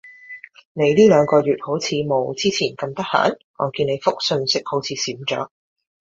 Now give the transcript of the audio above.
你呢兩個月好似冇之前咁得閒？我見你覆訊息好似少咗